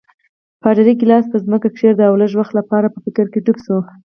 پادري ګیلاس پر ځمکه کېښود او لږ وخت لپاره په فکر کې ډوب شو.